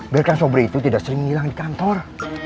biar kan sobrer itu tidak sering hilang di kantor